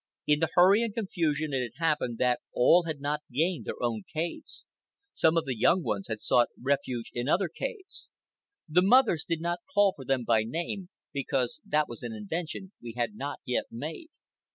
In the hurry and confusion it had happened that all had not gained their own caves. Some of the young ones had sought refuge in other caves. The mothers did not call for them by name, because that was an invention we had not yet made.